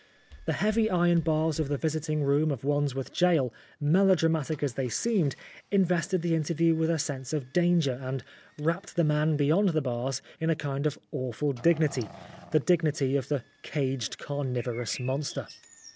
The heavy iron bars of the visiting room of Wandsworth Gaol, melodramatic as they seemed, invested the interview with a sense of danger, and wrapped the man beyond the bars in a kind of awful dignity the dignity of the caged carnivorous monster.